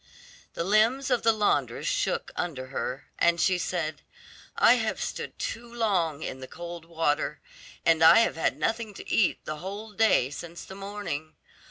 The limbs of the laundress shook under her, and she said, "I have stood too long in the cold water, and I have had nothing to eat the whole day since the morning.